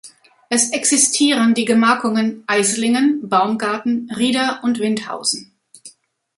Es existieren die Gemarkungen: Aislingen, Baumgarten, Rieder und Windhausen.